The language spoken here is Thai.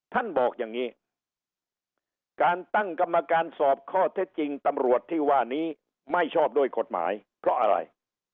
ท่านบอกอย่างนี้การตั้งกรรมการสอบข้อเท็จจริงตำรวจที่ว่านี้ไม่ชอบด้วยกฎหมายเพราะอะไร